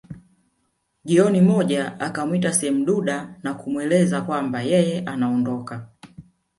Jioni moja akamwita Semduda na kumweleza kwamba yeye anaondoka